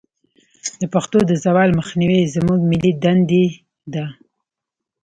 د پښتو د زوال مخنیوی زموږ ملي دندې ده.